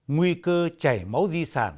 nguy cơ chảy máu di sản